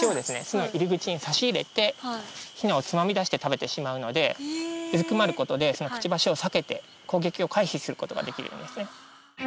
巣の入り口に差し入れてひなをつまみ出して食べてしまうのでうずくまることでそのくちばしを避けて攻撃を回避することができるんですね